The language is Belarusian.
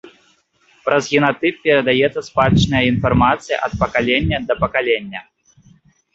Праз генатып перадаецца спадчынная інфармацыя ад пакалення да пакалення.